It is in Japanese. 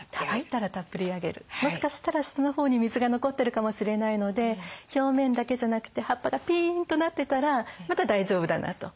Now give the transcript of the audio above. もしかしたら下の方に水が残ってるかもしれないので表面だけじゃなくて葉っぱがピーンとなってたらまだ大丈夫だなと。